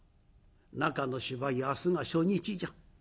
中の芝居明日が初日じゃ。